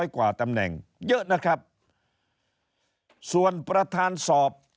กว่าตำแหน่งเยอะนะครับส่วนประธานสอบ